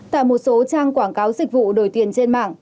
tại một số trang quảng cáo dịch vụ đổi tiền trên mạng